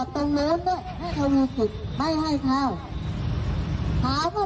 พวกนี้นะจะเอารถมาจอดตรงนี้ไม่ให้เที่ยวบ้านเข้า